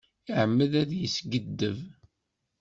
Iεemmed ad d-yeskiddeb.